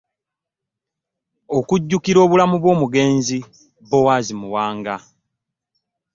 Okujjukira obulamu bw'Omugenzi Boaz Muwanga.